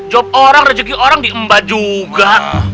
job orang rezeki orang diemba juga